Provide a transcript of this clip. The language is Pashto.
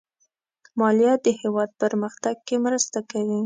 مالیه د هېواد پرمختګ کې مرسته کوي.